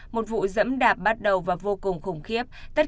một vụ dẫm đạp bắt đầu và vô cùng khủng khiếp